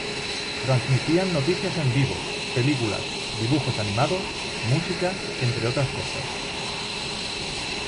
Transmitían noticias en vivo, películas, dibujos animados, música, entre otras cosas.